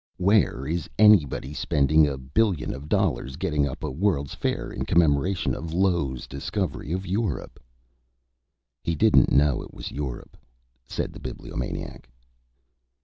Where is anybody spending a billion of dollars getting up a world's fair in commemoration of Lo's discovery of Europe?" "He didn't know it was Europe," said the Bibliomaniac.